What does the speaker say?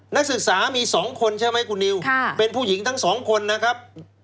นักศึกษามี๒คนใช่ไหมคุณนิวเป็นผู้หญิงทั้งสองคนนะครับ